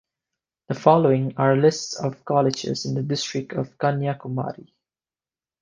The following are lists of colleges in the district of Kanyakumari.